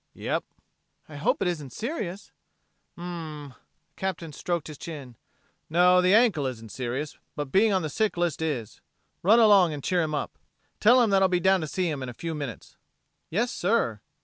"Yep." "I hope it isn't serious." "Hm m m" the Captain stroked his chin "no, the ankle isn't serious, but being on the sick list is. Run along and cheer him up. Tell him that I'll be down to see him in a few minutes." "Yes, sir."